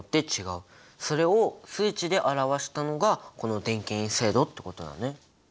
それを数値で表したのがこの電気陰性度ってことだね。